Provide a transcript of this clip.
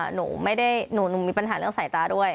หนูมีปัญหาเรื่องสายตาด้วย